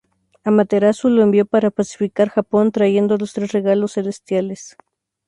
Amaterasu lo envió para pacificar Japón trayendo los tres regalos celestiales.